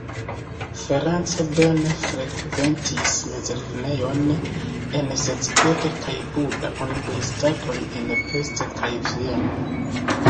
Ferenc Bene frekventis mezlernejojn en Szeged kaj Buda, universitaton en Pest kaj Vieno.